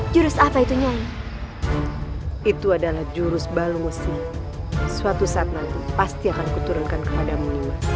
jurus apa itunya itu adalah jurus balusi suatu saat nanti pasti akan kuturunkan kepadamu lima